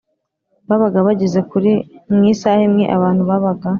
babaga bageze kuri Mu isaha imwe abantu babaga